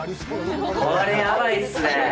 これ、やばいっすね。